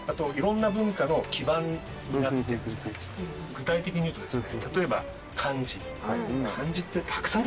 具体的に言うとですね。